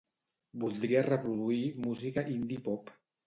Voldria reproduir música indie pop.